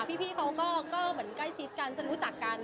พี่เขาก็เหมือนใกล้ชิดกันจนรู้จักกัน